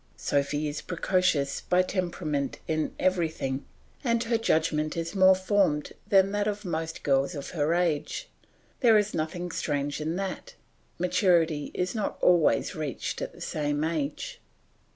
Sophy is precocious by temperament in everything, and her judgment is more formed than that of most girls of her age. There is nothing strange in that, maturity is not always reached at the same age.